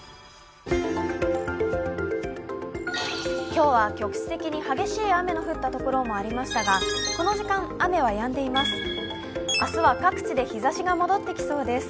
今日は局地的に激しい雨の降ったところもありましたがこの時間、雨はやんでいます。